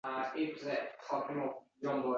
Hayotdan hamma narsani oling, uni butunlay berishdir.